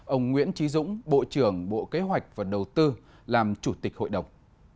ông nguyễn trí dũng bộ trưởng bộ kế hoạch và đầu tư làm chủ tịch hội đồng